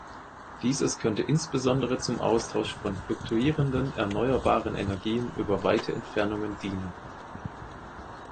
Dieses könnte insbesondere zum Austausch von fluktuierenden erneuerbaren Energien über weite Entfernungen dienen.